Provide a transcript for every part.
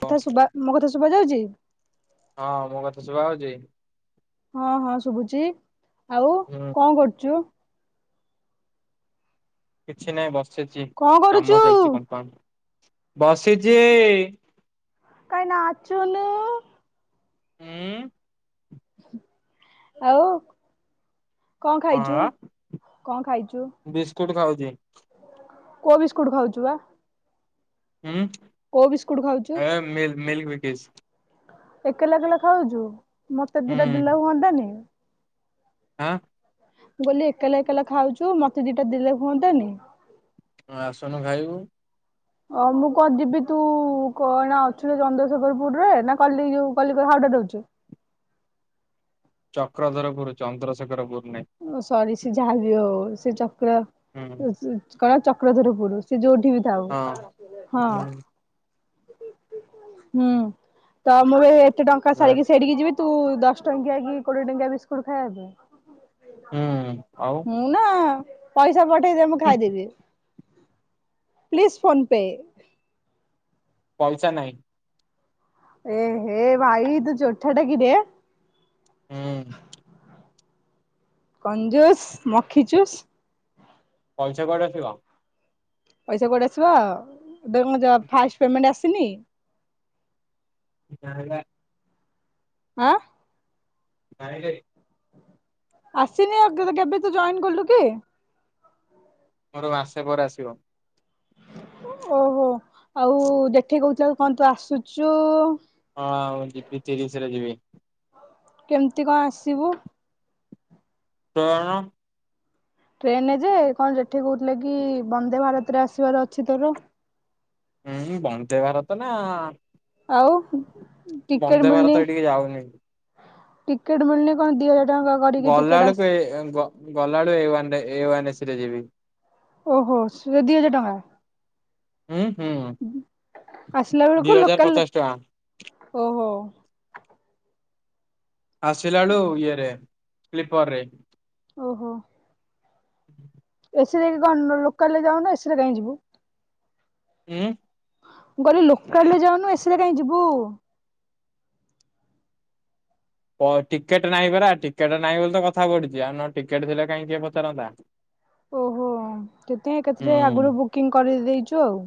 ମୋ କଥା ସୁ ମୋ କଥା ଶୁଭା ଯାଉଛି। ହଁ ମୋ କଥା ଶୁଭା ହଉଛି। ହଁ ହଁ ଶୁଭୁଛି ଆଉ ହୁଁ କଣ କରୁଛୁ? କିଛି ନାହିଁ ବସିଛି କଣ କାମ କରୁଛୁ ଚାଲିଛି ବର୍ତ୍ତମାନ ବସିଛି। କାଇ ନାଚୁନୁ। ଉଁ। ଆଉ କଣ ଖାଇଛୁ କଣ ଖାଇଛୁ? ବିସ୍କୁଟ ଖାଉଛି। କଉ ବିସ୍କୁଟ୍ ଖାଉଛୁ ବା? ହୁଁ କୋଉ ବିସ୍କୁଟ ଖାଉଛୁ? ଏ ମି ମି ମିଲ୍କ ବିକେସ୍। ଏକଲା ଏକଲା ଖାଉଛୁ ମତେ ହୁଁ ଦିଟା ଦେଲେ ହୁଅନ୍ତାନି। ଆଁ। ମୁ କହିଲି ଏକାଲା ଏକାଲା ଖାଉଛୁ ମତେ ଦିଟା ଦେଲେ ହୁଅନ୍ତାନି। ହଁ ଆସନୁ ଖାଇବୁ। ଅ ମୁଁ କଣ ଯିବି ତୁ କ ନା ଅଛୁ ଯେ ଚନ୍ଦ୍ରଶେଖରପୁର ରେ ନା କ କଲିକତା ହାଉଡାରେ ଅଛୁ। ଚକ୍ରଧରପୁର ଚନ୍ଦ୍ରଶେଖର ପୁର ନାଇଁ। ସରି ସିଏ ଯାହା ବି ହଉ ସେ ଚକ୍ର ହୁଁ କଣ ଚକ୍ରଧରପୁର ସେ ଯୋଉଠି ବି ଥାଉ ହଁ ହଁ। ହୁଁ ହୁଁ ତ ମୁଁ ବି ଏତେ ଟଙ୍କା ସାରିକି ସେଇଟିକି ଯିବି। ତୁ ଦଶ ଟଙ୍କିଆ କି କୋଡିଏ ଟଙ୍କିଆ ବିସ୍କୁଟ ଖାଇବା ପାଇ। ହୁଁ ଆଉ ମୁଁ ନା ପଇସା ପଠେଇ ଦେ ମୁଁ ହୁଁ ଖାଇଦେବି। Please PhonePe. ପଇସା ନାହିଁ। ଏ ହେ ଭାଇ ତୁ ଚୋଠା ଟା କିରେ। ହୁଁ। କଜୁସ ମଖିଚୁସ୍। ପଇସା କୁଆଡୁ ଆସିବ। ପଇସା କୋଉଁଠୁ ଆସିବ ଆ ଫାଷ୍ଟ ପେମେଣ୍ଟ ଆସିନି। ନା ନା। ଆଁ। ନାଇରେ। ଆସିନି ଆ କେବେ ତ ଜଏନ୍ କଲୁ କି? ମୋର ମାସେ ପରେ ଆସିବ। ଓହୋ ଆଉ ଦେଠି କହୁଥିଲା କଣ ତୁ ଆସୁଛୁ। ହଁ ଆଉ ଯିବି ତିରିଶରେ ଯିବି। କେମିତି କଣ ଆସିବୁ? କଣ? ଟ୍ରେନରେ ଯେ କଣ ଯେଠି କହୁଥିଲେ କି ବନ୍ଦେ ଭାରତରେ ଆସିବାର ଅଛି ତୋର। ହୁଁ ବନ୍ଦେ ଭାରତ ନା ଆଉ ଟିକେଟ ବନ୍ଦେ ମିଳୁନି ଭାରତ ଏଠିକି ଯାଉନି। ଟିକେଟ ମିଳୁନି କଣ ଦି ଟଙ୍କା କରିକି ଗଲା ଟିକେଟ ବେଳକୁ ଆସି ଏ ଗ୍-ଗଲା ବେଳକୁ ଏ ୱାନ ଏ ସି ରେ ଯିବି। ଓହୋ ସେ ଦିହଜାର ଟଙ୍କା? ହୁଁ ହୁଁ ଦି ଆସିଲବେଳକୁ ହଜାର ଲୋକଲ ପଚାଶ ଟଙ୍କା ଓହୋ। ଆସିଲା ବେଳକୁ ଇଏ ରେ ସ୍ଲିପର ରେ। ଓହୋ। ଏ ସି ରେ କଣ ଲୋକାଲ ରେ ଯାଉନ ଏ ସି ରେ କାହିଁ ଯିବୁ? ଉଁ? ମୁଁ କହିଲି ଲୋକାଲ ରେ ଯାଉନୁ ଏ ସି ରେ କାହିଁ ଯିବୁ। ଟିକେଟ ନାହିଁ ପରା ଟିକେଟ ନାହିଁ ବୋଲି ତ କଥା ପଢୁଛି ଆଉ ନ ଟିକେଟ ଥିଲେ କାହିଁ କିଏ ପଚାରନ୍ତା। ଓହୋ କେତେ ଏକା ଥରେ ହୁଁ ଆଗରୁ ବୁକିଂ କରିଦେଇଛୁ ଆଉ।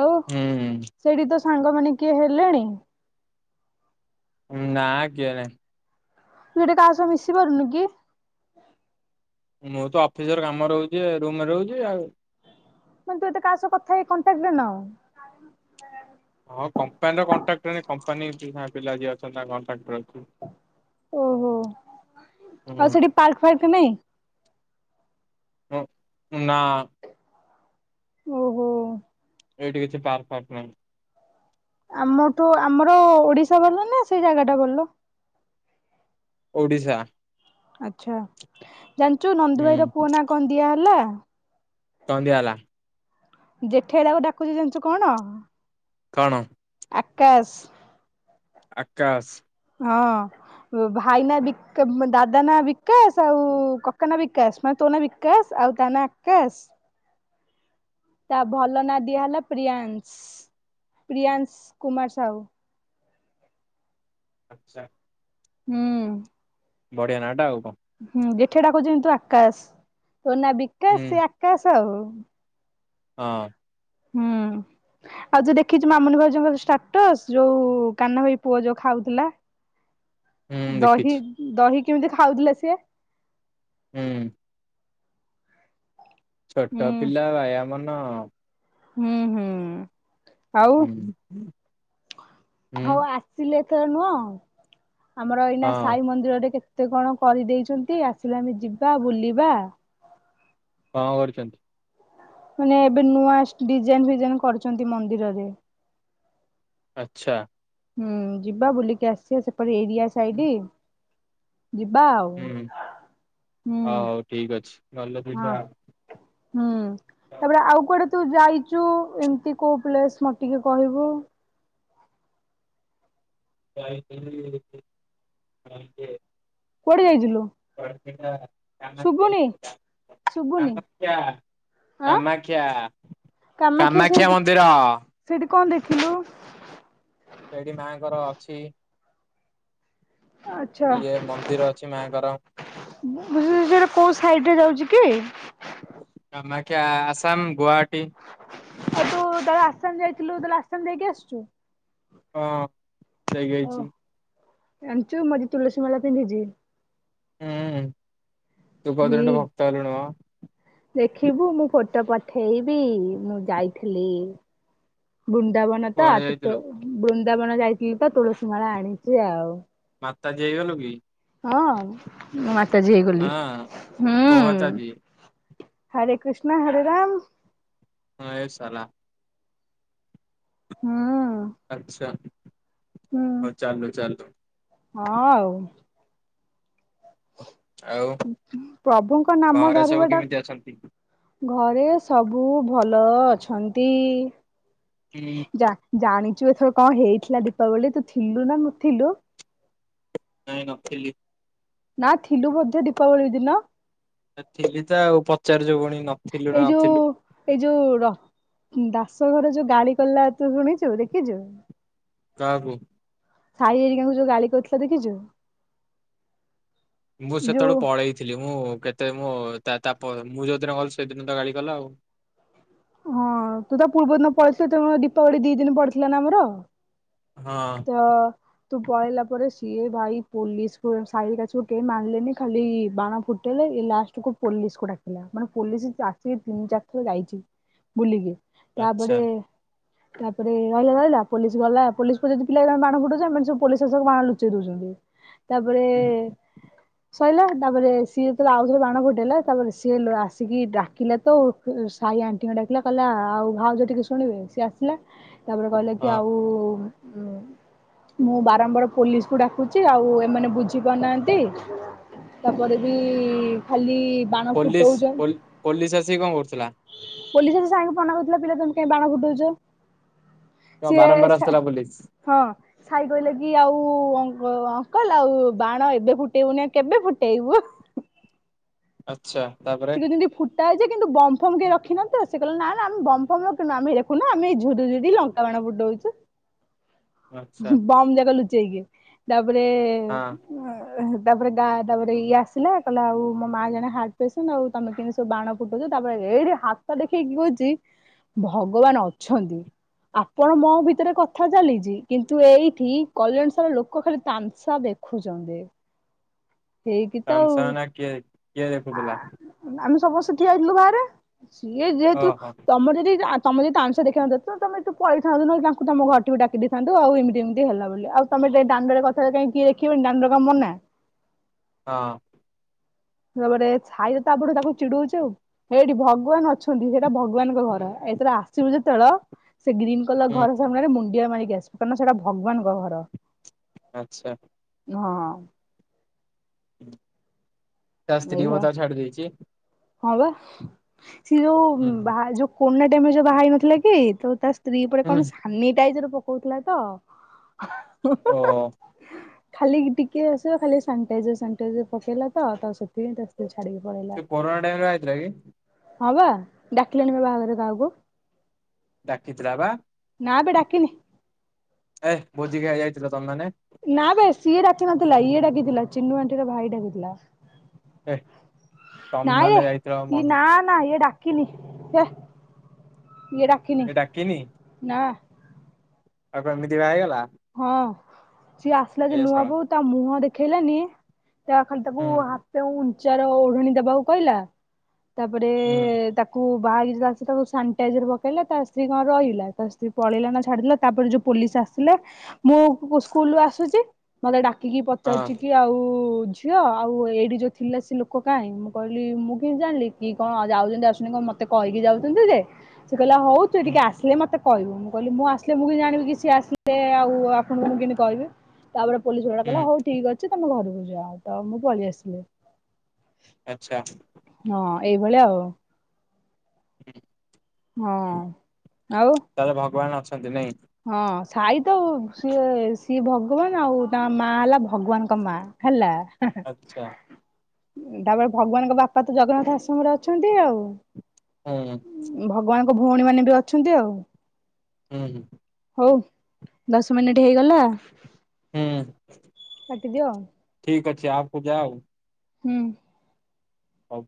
ଆଉ ହୁଁ। ସେଇଠି ତ ସାଙ୍ଗମାନେ କିଏ ହେଲେଣି? ନା କିଏ ନାହିଁ। ତୁ ଏଠି କାହା ସହ ମିଶି ପାରୁନୁ କି? ମୁଁ ତ ଅଫିସ ର କାମ ରହୁଛି ରୁମରେ ରହୁଛି ଆଉ। ତାହାଲେ ତୁ ଏତେ କାହା ସହ କଥା ହେଇ କଣ୍ଟାକ୍ଟ ରେ ନାହୁଁ। ହଁ କମ୍ପାନୀର କଣ୍ଟ୍ରାକ୍ଟର କମ୍ପାନୀ ପିଲା ଯିଏ ଅଛନ୍ତି ତା କଣ୍ଟ୍ରାକ୍ଟର। ଅଛି। ଓହୋ, ହୁଁ ଆଉ ସେଠି ପାର୍କ ଫାର୍କ ନାଇଁ? ନା। ଓହୋ। ଏଇଠି କିଛି ପାର୍କ ଫାର୍କ ନାହିଁ। ଆମଠୁ ଆମର ଓଡିଶା ଭଲ ନା ସେଇ ଜାଗା ଟା ଭଲ? ଓଡ଼ିଶା। ଆଚ୍ଛା, ଜାଣିଛୁ ନନ୍ଦୁ ହୁଁ। ଭାଇର ପୁଅ ନା କଣ ଦିଆହେଲା? କଣ ଦିଆ ହେଲା? ଜେଠେଇ ତାକୁ ଡାକୁଚି ଜାଣିଛୁ କଣ? କଣ? ଆକାଶ। ଆକାଶ। ହଁ। ଭାଇ ନା ବିକ ଦାଦା ନା ବିକାଶ ଆଉ କକା ନା ବିକାଶ ମାନେ ତୋ ନା ବି ବିକାସ ଆଉ ତାନା ଆକାସ। ତା ଭଲ ନାଁ ଦିଆହେଲା ପ୍ରିୟଂସ ପ୍ରିୟଂସ କୁମାର ସାହୁ। ଆଚ୍ଛା। ହୁଁ। ବଢିଆ ନାଁଟା ଆଉ କଣ। ହୁଁ ଜେଠି ଡାକୁଛି କିନ୍ତୁ, ଆକାଶ ତୋ ନା ହୁଁ ବିକାଶ ସେ ଆକାଶ ଆଉ। ହଁ। ହୁଁ ଆଉ ଯୋଉ ଦେଖିଛୁ ମାମୁନି ଭାଉଜଙ୍କର ଷ୍ଟାଟସ ଯୋଉ କାନା ଭାଇ ପୁଅ ଯୋଉ ଖାଉଥିଲା। ହୁଁ ଦହି, ଦେଖିଛି ଦହି କେମିତି ଖାଉଥିଲେ ସିଏ? ହୁଁ। ହୁଁ ଛୋଟ ପିଲା ବାଇଆ ମନ। ହୁଁ ହୁଁ। ଆଉ। ହୁଁ। ହୁଁ ହଉ ଆସିଲେ ଏଥର ନୁହଁ, ଆମର ଏଇନା ହଁ ସାଇ ମନ୍ଦିରରେ କେତେ କେତେ କଣ କରିଦେଇଛନ୍ତି, ଆସିଲେ ଆମେ ଯିବା, ବୁଲିବା କଣ କରିଛନ୍ତି? ମାନେ ଏବେ ନୂଆ ଡିଜାଇନ ଫିଜାଇନ କରୁଛନ୍ତି ମନ୍ଦିରରେ। ଆଚ୍ଛା। ହୁଁ ଯିବା ବୁଲିକି ଆସିବା, ସେପଟ ଏରିଆ ହୁଁ ସାଇଡି। ଯିବା ଆଉ। ହ ହଉ ଠିକ ଅଛି ଭଲ ଯିବା ହୁଁ-ହଁ। ହୁଁ। ତାପରେ ଆଉ କୁଆଡେ ତୁ ଯାଇଚୁ, ଏମତି କୋଉ ପ୍ଲେସ୍ ମତେ ଟିକେ କହିବୁ? ଯାଇଥେଲି [unintelligible] କୁଆଡେ ଯାଇଥିଲୁ? ଶୁଭୁନି [unintelligible] ଶୁଭୁନି କାମାକ୍ଷା, ଆଁ କାମାକ୍ଷା, କାମାକ୍ଷା ମନ୍ଦିର। ସେଇଠି କଣ ଦେଖିଲୁ? ସେଇଠି ମାଆଙ୍କର ଅଛି ଇଏ ମନ୍ଦିର ଅଛି ମାଆଙ୍କର। ବୁ ଭୁବନେଶ୍ୱର କୋଉ ସାଇଡରେ ଯାଉଚି କି? କାମାକ୍ଷା ଆସାମ, ଗୁଆହାଟୀ। ଆଉ ତୁ ତାହେଲେ ଆସାମ ଯାଇଥିଲୁ, ତାହେଲେ ଆସାମ ଯାଇକି ଆସିଚୁ? ହଁ, ଯାଇକି ଆଇଛି। ଜାଣିଚ, ମୁଁ ଆଜି ତୁଳସୀ ମାଳା ପିନ୍ଧିଚି। ହୁଁ। ତୁ ହି କୋଉଦିନଠୁ ଭକ୍ତ ହେଲୁଣି ମ? ଦେଖିବୁ ମୁଁ ଫୋଟୋ ପଠେଇବି, ମୁଁ ଯାଇଥେଲି ବୃନ୍ଦାବନ ତ, କୁଆଡେ ତୁ ତ ଯାଇଥିଲୁ ବୃନ୍ଦାବନ ଯାଇଥିଲି ତ ତୁଳସୀ ମାଳା ଆଣିଚି ଆଉ। ମାତାଜୀ ହେଇଗଲୁ କି? ହଁ, ମୁଁ ମାତାଜୀ ହେଇଗଲି। ହଁ କୋଉ ମାତାଜୀ ହୁଁ। ହରେ କ୍ରୀଷ୍ଣ ହରେ ରାମ ହଁ ଏଇ ସାଲା। ହୁଁ ଉଁ। ଆଚ୍ଛା, ହଉ ଚାଲୁ ଚାଲୁ। ହଁ ଆଉ। ଆଉ ଉଁ ହୁଁ, ପ୍ରଭୁଙ୍କ ନାମ ଘରେ ସବୁ ଧରିବାଟା କେମିତି ଅଛନ୍ତି? ଘରେ ସବୁ ଭଲ ଅଛନ୍ତି। ହୁଁ ଜା ଜାଣିଚୁ ଏଥର କଣ ହେଇଥିଲା ଦୀପାବଳିରେ, ତୁ ଥିଲୁ ନା ନଥିଲୁ? ନାଇଁ ନଥିଲି। ନା, ଥିଲୁ ବୋଧେ ଦୀପାବଳି ଦିନ? ଥିଲି ତ ଆଉ ପଚାରୁଚୁ ପୁଣି ନଥିଲୁ ଏଇ ଯୋଉ ନଥିଲୁ। ଏଇ ଯୋଉ ର ଦାସଘର ଯୋଉ ଗାଳି କଲା ତୁ ଶୁଣିଛୁ, ଦେଖିଛୁ? କାହାକୁୁ? ସାଇ ହେରିକାଙ୍କୁ ଯୋଉ ଗାଳି କରିଥିଲା, ଦେଖିଛୁ? ମୁଁ ଯୋଉ ସେତେବେଳକୁ ପଳେଇଥିଲି। ମୁଁ କେତେ ମୁଁ ତା ତା ପ ମୁଁ ଯୋଉଦିନ ଗଲି ସେଇଦିନ ତ ଗାଳି କଲା ଆଉ। ହଁ ତୁ ତା ପୂର୍ବ ଦିନ ପଳେଇଥିଲୁ, ତେଣୁକରି ଦୀପାବଳି ଦି ଦିନ ପଡିଥିଲା ନା ଆମର। ହଁ। ତ ତୁ ପଳେଇଲା ପରେ ସିଏ ଭାଇ ପୋଲିିସ୍ କୁ ସାଇ ହେରିକା କେହି ମନିଲେନି ଖାଲି ବାଣ ଫୁଟ ଫୁଟାଇଲେ ଇଏ ଲାଷ୍ଟକୁୁ ପୋଲିସକୁ ଡକିଲା। ମାନେ ପୋଲିସ ଆସିକି ତିନି ଚାରିଥର ଯାଇଛି। [inaudible] ବୁଲିକି ତାପରେ ଆଚ୍ଛା ତାପରେ ରହିଲା ରହିଲା ପୋଲିସ ଵାଲା ପୋଲିସ ପୋଲିସ ଥିଲେ ବାଣ ଫୁଠଉଛନ୍ତି ଏମାନେ ସବୁ ପୋଲିସ ଶସକ ବାଣ ଲୁଚେଇ ଦଉଛନ୍ତି, ତାପରେ ହୁଁ [inaudible] ସଇଲା ତାପରେ ସିଏ ତ ଆଉଥରେ ବାଣ ଫୁଟେଇଲା ତାପରେ ସିଏ ଆସିକି ଡାକିଲେ ତଉ। ସାଇ ଆଣ୍ଟିଙ୍କ ଡାକିଲା କହିଲା ଆଉ ଭାଉଜ ଟିକେ ଶୁଣିବେ, ସିଏ ଆସିଲା। ତାପରେ କହିଲେ ହଁ କି ଆଉ ଉ ମୁଁ ବାରମ୍ବାର ପୋଲିସକୁ ଡାକୁଛି ଆଉ ଏମାନେ ବୁଝି ପାରୁନାହାନ୍ତି। ତାପରେ ବି ଖାଲି ବାଣ ପୋଲିସ, ପୋଲିସ ଆସିକି କଣ କରୁଥିଲା? ପୋଲିସର ସାଙ୍ଗ ମନା କରିଥିଲା ପିଲା ତମେ କାଇ ବାଣ ଫୁଟଉଛ, କଣ ସିଏ ବାରମ୍ବାର ସା ଆସୁଥିଲା ପୋଲିସ। ହଁ। ସାଇ କହିଲେ କି ଆଉ ଅଙ୍କ ଅଙ୍କଲ ଆଉ ବାଣ ଏବେ ଫୁଟେଇବୁନି କେବେ ଫୁଟେଇବୁ? ଆଚ୍ଛା, ତାପ ସେ [unintelligible] ଫୁଟ୍ ତା ଯେ କିନ୍ତୁ ବମ୍ ଫମ କିଏ ରଖିନାହାନ୍ତି ତ। ସେ କହିଲ ନା ଆମେ ବମ୍ ଫମ ରଖିନୁ। ଆମେ ଏକୁ ନୁହଁ ଝୁରିଝୁରି ଲଙ୍କା ଙ୍କା ବାଣ ଫୁଟଉଛୁ। ଆଚ୍ଛା ବମ୍ ଯାକ ଲୁଚେଇକି ତାପରେ ହଁ। ତାପରେ ଗା ତାପରେ ଇଏ ଆସିଲା କହିଲା ଆଉ ମୋ ମା ଜଣେ ହାର୍ଟ ପେସ୍ ନା ଆଉ ତମେ କେମତି ସବୁ ବାଣ ଫୁଟାଉଛ ତାପରେ ଏଇଠି ହାତ ଦେଖେଇକି କହୁଚି ଭଗବାନ ଅଛନ୍ତି। ଆପଣ ମୋ ଭିତରେ କଥା ଚାଲିଛି କିନ୍ତୁ ଏଇଠି କଲ୍ୟାଣ ସାର ଲୋକ ଖାଲି ତାନ୍ସା ଦେଖ୍ ଖୁ ଚନ୍ତି। ତାମସା ମାନେ କିଏ କିଏ ଦେଖୁ ତୁଲା? ଆମେ ସମସ୍ତେ ଠିଆ ହେଇଥିଲୁ ବାହାରେ, ସିଏ ଯେହେତୁ ଓହୋ ହଁ ତମର ଯଦି ଆ ତମେ ଯଦି ତାମସା ଦେଖଇଥାନ୍ତ ତ ତମ ତ ପଳେଇଥାନ୍ତ ନହେଲେ ତାଙ୍କୁ ତମ ଘରଟିକୁ ଡାକି ଦେଇଥାନ୍ତୁ ଆଉ ଏମିତି ଏମିତି ହେଲା ବୋଲି ଆଉ ତମେ ଯାଇ ଦାଣ୍ଡରେ କଥା ହେଲେ କାହିଁ କିଏ ଦେଖିବେନି ଦାଣ୍ଡରେ କଣ ମନା? ହଁ। ତାପରେ ସାଇର ତାପରେ ତାକୁ ଚିଡଉଛି ଆଉ। ହେଇଠି ଭଗବାନ ଅଛନ୍ତି ସେଇଟା ଭଗବାନଙ୍କ ଘର, ଏଥର ଆସିବୁ ଯେତେବେଳ ସେ ଗ୍ରୀନ୍ କଲର ହୁଁ ଘର ସାମ୍ନାରେ ମୁଣ୍ଡିଆ ମାରିକି ଆସିବୁ କାରଣ ସେଇଟା ଭଗବାନଙ୍କ ଘର। ଆଚ୍ଛା। ହଁ। ତାା ଏଇ ସ୍ତ୍ରୀ ବୋଧେ ତାକୁ ଛାଡ଼ି ଦେଇଚି। ହଁ ବା ସେ ଯୋଉ ହୁଁ ବାହା ଯୋଉ କୋର୍ନା ଟାଇମରେ ଯୋଉ ବାହା ହେଇ ନଥିଲା କି ତ ତା ସ୍ତ୍ରୀ ଉପରେ ହୁଁ କଣ ସାନିଟାଇଜର ପକଉଥିଲା ତ ହଁ ଓ ହଁ ଖାଲି ଟିକେ ଆସିବ ଖାଲି ସାନିଟାଇଜର ସାନିଟଜର ପକେଇଲା ତ ତ ସେଥିପାଇଁ ତା ଛାଡିକି ପଳେଇଲା। [unintelligible] ହ ବା ଡାକିଲାନିବା ବାହାଘରରେ କାହାକୁ। ଡାକିଥିଲା ବା। ନାଁ ବେ ଡାକିନି। ଏ ଭୋଜିିଖାଇ ଯାଇଥିଲ ତମେ ମାନେ। ନା ବେ ସିଏ ଡାକି ନଥିଲା ଇଏ ଡାକିଥିଲା ଚିିନୁ ଆଣ୍ଠିର ଭାଇ ଡାକିଥିଲା। ଏ ତମେ ନାଇଁରେ ମାନେ ଯାଇଥିଲା ଇଏ ମନ୍ ନା ନା ଇଏ ଡାକିନି, ହେ ଇଏ ଡା ଏ ଡାକିନି? ନା, ଆଉ କଣ ଏମିତି ବାହା ହେଇଗଲା? ହଁ, ସିଏ ଆସିଲା ଯେ ଏ ନୂଆ ଶଳା ବୋହୁ ତା ମୁହଁ ଦେଖେଇଲାନି। ତା ଖାଲି ତାକୁ ହୁଁ ହାତ ଉଞ୍ଚାର ଓଢଣୀ ଦେବାକୁ କହିଲା। ତାପରେ ହୁଁ ତା କୁ ବାହାରିଲା ସେତେବେଳେ ସାନିଟାଇଜର ପକେଇଲା। ତା ସ୍ତ୍ରୀ କ'ଣ ରହିଲା? ତା ସ୍ତ୍ରୀ ପଳେଇଲା ନା ଛାଡ଼ିଲା ତାପରେ ଯୋ ପୋଲିସ ଆସିଲା। ମୁଁ ସ୍କୁଲରୁ ଆସୁଛି, ମତେ ଡାକିକି ହଁ ପଚାରୁଛି କି ଆଉ ଝି ଝିଅ ଆଉ ଏଇଠି ଯୋଉ ଥିଲା ସେ ଲୋକ କାହିଁ? ମୁଁ କହିଲି, ମୁଁ କେମିତି ଜାଣିଲି କି କଣ ଯାଉଉଛନ୍ତି ଆସୁଛନ୍ତି କଣ ମତେ ମତେ କହିକି ଯାଉଛନ୍ତି ଯେ? ସେ କହିଲା ହଉ, ତୁ ହୁଁ ଏଠିକେ ଆସିଲେ ମତେ କହିବୁ। ମୁଁ କହିଲି, ମୁ ଆସିଲେ ମୁଁ କେମିତି ଜାଣିବି କିି ସେ ଆସି ସେ ଆଉ ଆପଣଙ୍କୁ ମୁଁ କେମତି କହିବି? ତାପରେ ପୋଲିସ ଗୁଡା କହିଲା ହୁଁ ହଉ ଠିକ ଅଛି, ତମେ ଘରକୁ ଯାଅ। ତ ମୁଁ ପଳେଇ ଆସିଲି। ଆଚ୍ଛା। ହଁ, ଏଇ ଭଳିଆ ଆଉ। ହୁଁ ହଁ, ଆଉ? ତାହେଲେ ଭଗବାନ ଅଛନ୍ତି ନାଇଁ? ହଁ ସାଇ ତ ସିଏ ସିଏ ଭଗବାନ ଆଉ ତାଙ୍କ ମା ହେଲା ଭଗବାନଙ୍କ ମା, ହେଲା। ଆଚ୍ଛା ତାପରେ ଭଗବାନଙ୍କ ବାପା ତ ଜଗନ୍ନାଥ ଆଶ୍ରମରେ ଅଛନ୍ତି ଆଉ। ହଁ ଭଗବାନଙ୍କ ଭଉଣୀ ମାନେ ବି ଅଛନ୍ତି ଆଉ। ହୁଁ ହୁଁ ହଉ ଦଶ ମିନିଟ ହେଇଗଲା। ହୁଁ। କାଟିଦିଅ। ଠିକ ଅଛି ଆଗକୁ ଯାଉ। ହୁଁ। ହଉ